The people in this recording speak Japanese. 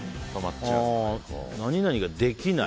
何々ができない。